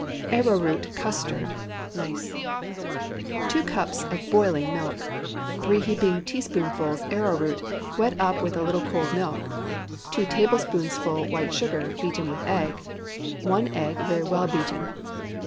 ARROWROOT CUSTARD. (Nice.) 2 cups of boiling milk. 3 heaping teaspoonfuls arrowroot, wet up with a little cold milk. 2 tablespoonfuls white sugar, beaten with the egg. 1 egg very well beaten.